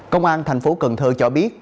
công an thành phố cần thơ cho biết